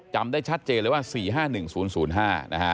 จำได้ชัดเจนเลยว่า๔๕๑๐๐๕นะฮะ